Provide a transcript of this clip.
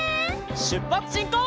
しゅっぱつしんこう！